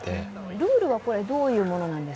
ルールはどういうものなんですか？